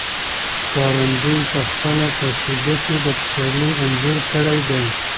ښکارندوی په خپله قصیده کې د پسرلي انځور کړی دی.